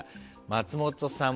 松本さん